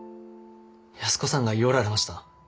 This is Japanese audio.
安子さんが言ようられました。